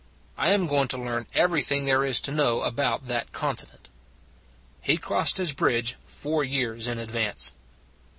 I am going to learn everything there is to know about that continent." He crossed his bridge four years in ad vance.